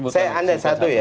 saya aneh satu ya